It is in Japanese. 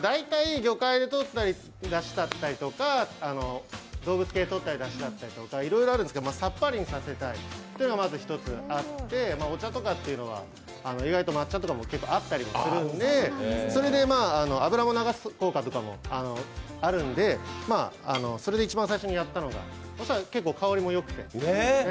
魚介でとっただしだったり、動物系でとっただしだったりとかいろいろあるんですけどさっぱりさせたいというのがまず一つあって、お茶とかというのは、意外と抹茶とかも合ったりするんでそれで脂を流す効果かもあるんでそれでいちばん最初にやったのがそうしたら、結構香りがよくて。